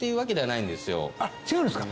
あっ違うんですか？